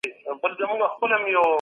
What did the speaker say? د ټولني برخليک په موږ پوري اړه لري.